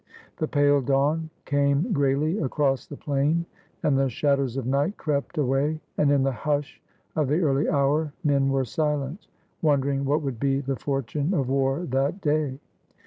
The pale dawn came grayly across the plain, and the shadows of night crept away, and in the hush of the early hour men were silent, wondering what would be the fortune of war that day.